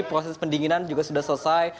proses pendinginan juga sudah selesai